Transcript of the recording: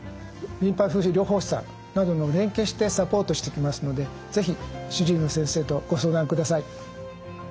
リンパ浮腫療法士さんなど連携してサポートしていきますので是非主治医の先生とご相談ください。